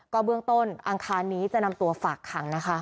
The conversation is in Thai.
เบื้องต้นอังคารนี้จะนำตัวฝากขังนะคะ